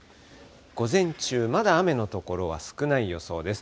午前中、まだ雨の所は少ない予想です。